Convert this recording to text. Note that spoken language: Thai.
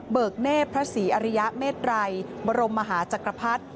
กเนธพระศรีอริยเมตรัยบรมมหาจักรพรรดิ